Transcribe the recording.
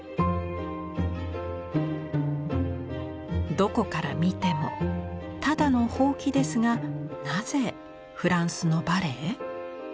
どこから見てもただのほうきですがなぜ「フランスのバレエ」？